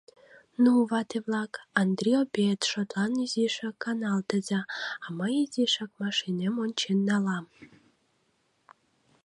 — Ну, вате-влак, «андри-обед» шотлан изишак каналтыза, а мый изишак машинем ончен налам.